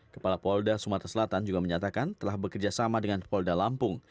kepala polda sumatera selatan juga menyatakan telah bekerjasama dengan polda lampung